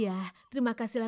ya terima kasihlah